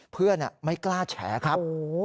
เพื่อนไม่กล้าแฉครับ